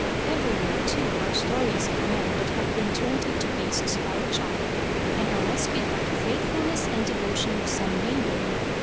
Everywhere, too, are stories of men that have been turned into beasts by a charm and are rescued by the faithfulness and devotion of some maiden.